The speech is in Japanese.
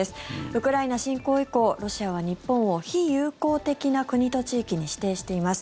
ウクライナ侵攻以降ロシアは日本を非友好的な国と指定しています。